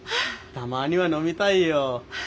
たまには飲みたいよ。